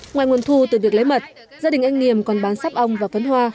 ngoài nguồn thu từ việc lấy mật gia đình anh niềm còn bán sắp ong và phấn hoa